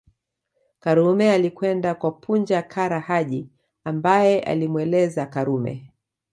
Karume alikwenda kwa Punja Kara Haji ambaye alimweleza Karume